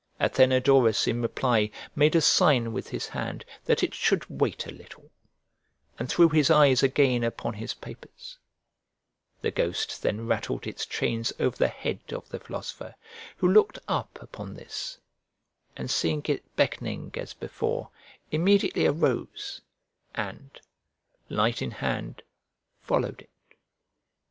Athenodorus in reply made a sign with his hand that it should wait a little, and threw his eyes again upon his papers; the ghost then rattled its chains over the head of the philosopher, who looked up upon this, and seeing it beckoning as before, immediately arose, and, light in hand, followed it.